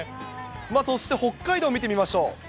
そして、北海道見てみましょう。